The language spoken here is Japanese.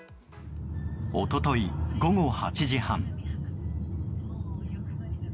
一昨日午後８時半。